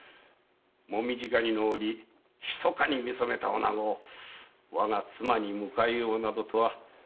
紅葉狩りの折ひそかに見初めた女子を我が妻に迎えようなどとは。